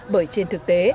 bởi trên thực tế